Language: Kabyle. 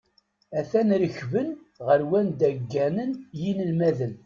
A-t-an rekben ɣer wanda gganen yinelmaden.